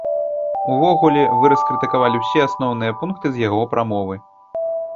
Увогуле, вы раскрытыкавалі ўсе асноўныя пункты з яго прамовы.